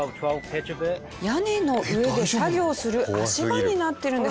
屋根の上で作業する足場になってるんです。